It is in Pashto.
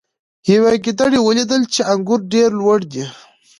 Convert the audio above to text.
یوې ګیدړې ولیدل چې انګور ډیر لوړ دي.